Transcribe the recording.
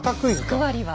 役割は？